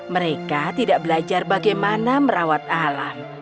mereka tidak belajar bagaimana merawat alam